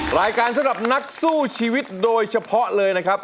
รายการสำหรับนักสู้ชีวิตโดยเฉพาะเลยนะครับ